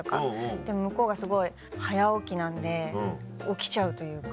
でも向こうがすごい早起きなんで起きちゃうというか。